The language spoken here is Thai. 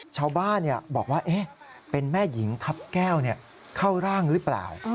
ชาวบ้านบอกว่าเป็นแม่หญิงทัพแก้วเข้าร่างหรือเปล่า